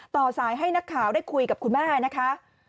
ต่อสายให้นักข่าวได้คุยกับคุณแม่นะคะ